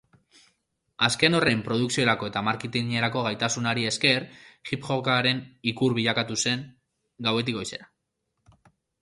Azken horren produkziorako eta marketingerako gaitasunari esker hip-hoparen ikur bilakatu zen gauetik goizera.